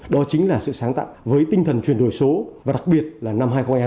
đó chính là sự sáng tạo với tinh thần chuyển đổi số và đặc biệt là năm hai nghìn hai mươi hai